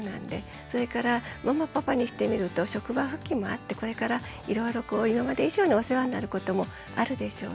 それからママパパにしてみると職場復帰もあってこれからいろいろ今まで以上にお世話になることもあるでしょうね。